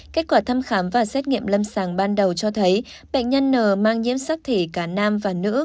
kết quả thăm khám và xét nghiệm lâm sàng ban đầu cho thấy bệnh nhân n mang nhiễm sắc thể cả nam và nữ